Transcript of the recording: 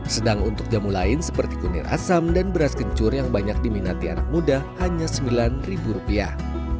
sedang untuk jamu lain seperti kunir asam dan beras kencur yang banyak diminati anak muda hanya sembilan rupiah